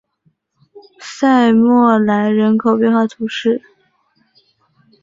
塞默莱人口变化图示